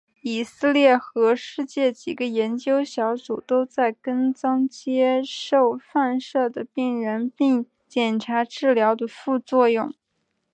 以色列和世界几个研究小组都在跟踪接受放射的病人并检查治疗的副作用。